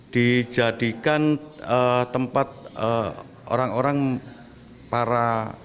dijadikan tempat orang orang para